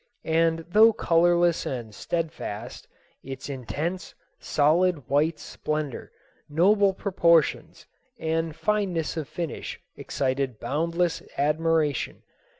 And though colorless and steadfast, its intense, solid, white splendor, noble proportions, and fineness of finish excited boundless admiration.